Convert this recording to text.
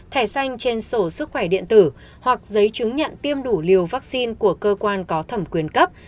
thẻ xanh trên sổ sức khỏe điện tử hoặc giấy chứng nhận tiêm đủ liều vaccine của cơ quan có thẩm quyền cấp